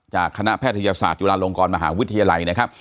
คณะแพทยศาสตร์จุฬาลงกรมหาวิทยาลัยนะครับ